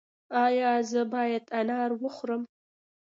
ایا زه باید انار وخورم؟